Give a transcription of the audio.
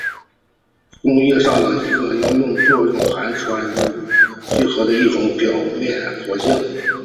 工业上的一个应用是作为含氟聚合物乳液聚合的一种表面活性剂。